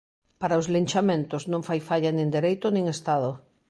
Para os linchamentos, non fai falla nin Dereito nin Estado.